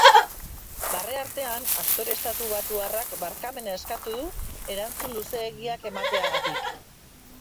Barre artean, aktore estatubatuarrak barkamena eskatu du erantzun luzeegiak emateagatik.